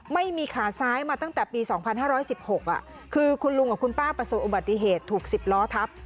ไม่มีขาซ้ายมาตั้งแต่ปีสองพันห้าร้อยสิบหกอ่ะคือคุณลุงกับคุณป้าประสบอุบัติเหตุถูกสิบล้อทับ